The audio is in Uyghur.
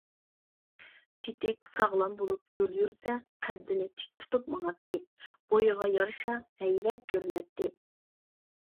تېتىك ساغلام بولۇپ يول يۈرسە قەددىنى تىك تۇتۇپ ماڭاتتى، بويىغا يارىشا ھەيۋەت كۆرۈنەتتى.